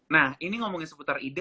nah ini ngomongin seputar ide